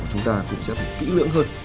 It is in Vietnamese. của chúng ta cũng sẽ phải kỹ lưỡng hơn